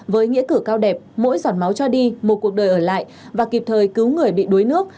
với nghĩa cử cao đẹp mỗi giọt máu cho đi một cuộc đời ở lại và kịp thời cứu người bị đuối nước